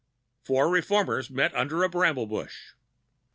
Four reformers met under a bramble bush.